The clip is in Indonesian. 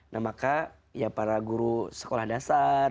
nah maka ya para guru sekolah dasar